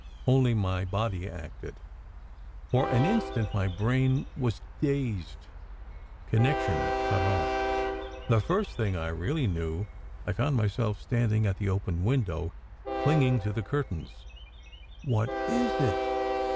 Only my body acted. For an instant my brain was dazed connection cut off. The first thing I really knew, I found myself standing at the open window clinging to the curtains. "What is it?